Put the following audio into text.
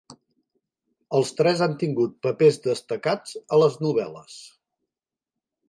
Els tres han tingut papers destacats a les novel·les.